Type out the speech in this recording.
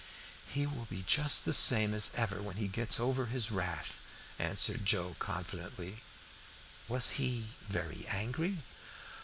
"He will be just the same as ever when he gets over his wrath," answered Joe confidently. "Was he very angry?"